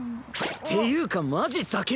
っていうかマジざけんな！